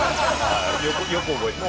よく覚えてた。